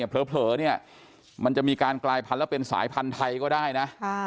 เผลอเนี่ยมันจะมีการกลายพันธุ์แล้วเป็นสายพันธุ์ไทยก็ได้นะ